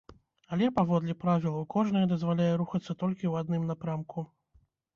Але, паводле правілаў, кожная дазваляе рухацца толькі ў адным напрамку.